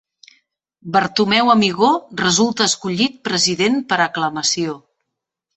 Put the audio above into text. Bartomeu Amigó resulta escollit President per aclamació.